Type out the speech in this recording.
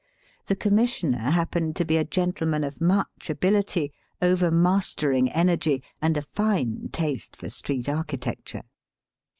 The Commissioner happened to be a gentleman of much ability, overmastering energy, and a fine taste for street architecture.